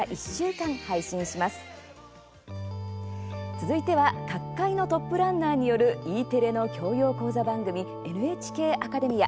続いては各界のトップランナーによるＥテレの教養講座番組「ＮＨＫアカデミア」。